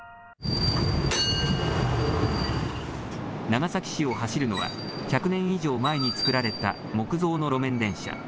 長崎市を走るのは、１００年以上前に造られた木造の路面電車。